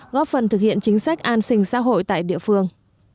góp phần thực hiện chính sách an sinh xã hội tại địa phương